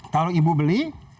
kalau ibu beli